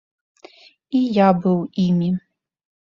І я быў імі.